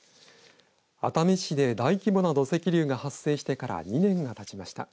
熱海市で大規模な土石流が発生してから２年がたちました。